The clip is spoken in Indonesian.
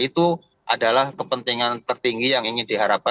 itu adalah kepentingan tertinggi yang ingin diharapkan